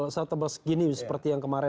setebel segini seperti yang kemarin